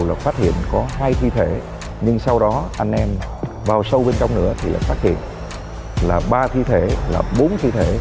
quá nhiều nữ câu trả lời